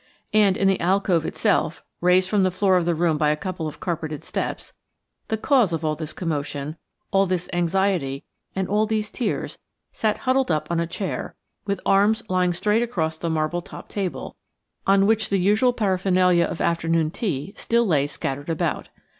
And in the alcove itself, raised from the floor of the room by a couple of carpeted steps, the cause of all this commotion, all this anxiety, and all these tears, sat huddled up on a chair, with arms lying straight across the marble topped table, on which the usual paraphernalia of afternoon tea still lay scattered about.